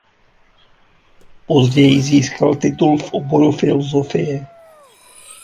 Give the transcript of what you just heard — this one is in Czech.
Později získal titul v oboru filozofie.